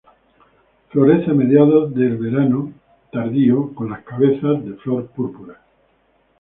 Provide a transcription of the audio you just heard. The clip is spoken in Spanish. Florece a mediados de al verano tardío con las cabezas de flor púrpuras.